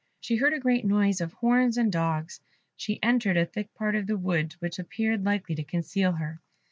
She heard a great noise of horns and dogs; she entered a thick part of the wood which appeared likely to conceal her.